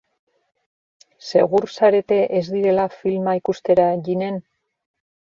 Segur zarete ez direla filma ikustera jinen?